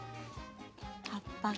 葉っぱが。